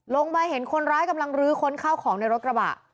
ลงมาเห็นคนร้ายกำลังลื้อค้นข้าวของในรถกระบะ